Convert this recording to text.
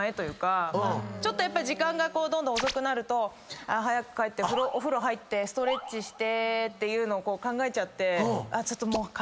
ちょっとやっぱ時間がどんどん遅くなると早く帰ってお風呂入ってストレッチしてっていうのを考えちゃってちょっと。